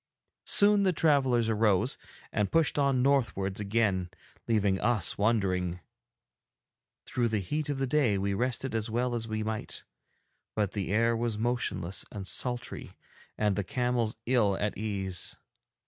Soon the travellers arose and pushed on northwards again, leaving us wondering. Through the heat of the day we rested as well as we might, but the air was motionless and sultry and the camels ill at ease.